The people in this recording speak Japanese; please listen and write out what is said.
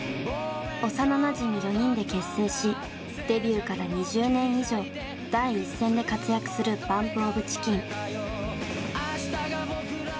幼なじみ４人で結成しデビューから２０年以上第一線で活躍するＢＵＭＰＯＦＣＨＩＣＫＥＮ。